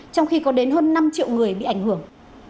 trong khi có đến hơn năm triệu người bị ảnh hưởng